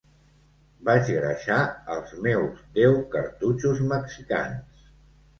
Vaig greixar els meus deu cartutxos mexicans